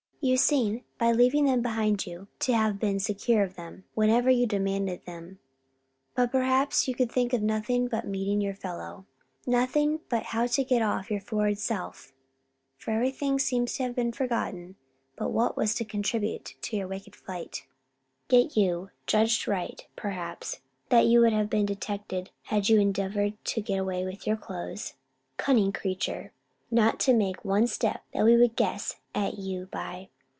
You seen, by leaving them behind you, to have been secure of them, whenever you demanded them, but perhaps you could think of nothing but meeting your fellow: nothing but how to get off your forward self! For every thing seems to have been forgotten but what was to contribute to your wicked flight. Yet you judged right, perhaps, that you would have been detected had you endeavoured to get away with your clothes. Cunning creature! not to make one step that we would guess at you by!